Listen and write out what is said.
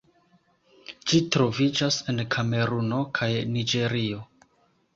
Ĝi troviĝas en Kameruno kaj Niĝerio.